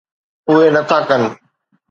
اهي نٿا ڪن.